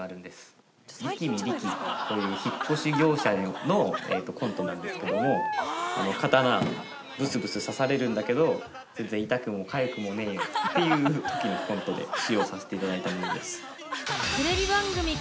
引っ越し業者のコントなんですけども刀ぶすぶす刺されるんだけど全然痛くもかゆくもねえよっていうときのコントで使用させていただいたものです。